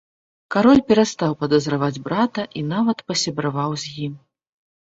Кароль перастаў падазраваць брата і нават пасябраваў з ім.